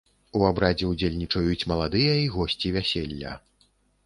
У абрадзе ўдзельнічаюць маладыя і госці вяселля.